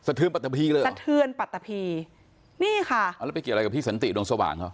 เทือนปัตตะพีเลยเหรอสะเทือนปัตตะพีนี่ค่ะเอาแล้วไปเกี่ยวอะไรกับพี่สันติดวงสว่างเขา